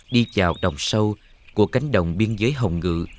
đi vào đồng sâu của cánh đồng biên giới hồng ngự